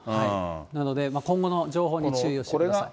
なので今後の情報に注意をしてください。